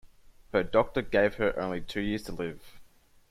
Her doctor gave her only two years to live.